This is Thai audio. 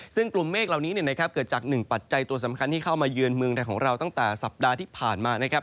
ซึ่งกลุ่มเมฆเหล่านี้เกิดจากหนึ่งปัจจัยตัวสำคัญที่เข้ามาเยือนเมืองไทยของเราตั้งแต่สัปดาห์ที่ผ่านมานะครับ